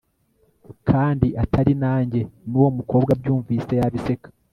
kandi atari nange, n'uwo mukobwa abyumvise yabiseka